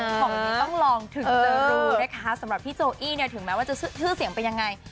ของนี้ต้องลองถึงจะดูนะคะสำหรับพี่โจอี้เนี่ยถึงแม้ว่าจะชื่อเสียงเป็นยังไง